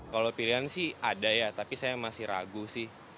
kalau pilihan sih ada ya tapi saya masih ragu sih